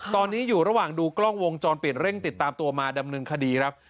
ตอนนี้อยู่ระหว่างดูกล้องวงจรปิดเร่งติดตามตัวมาดำเนินคดีครับ